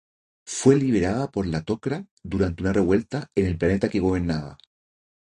Fue liberada por la Tok'ra durante una revuelta en el planeta que gobernaba.